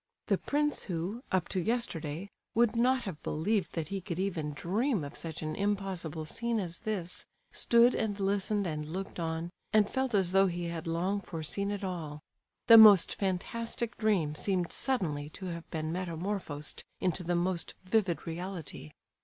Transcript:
The prince who, up to yesterday, would not have believed that he could even dream of such an impossible scene as this, stood and listened and looked on, and felt as though he had long foreseen it all. The most fantastic dream seemed suddenly to have been metamorphosed into the most vivid reality.